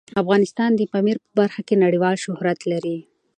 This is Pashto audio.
افغانستان د پامیر په برخه کې نړیوال شهرت لري.